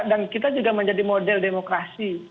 dan kita juga menjadi model demokrasi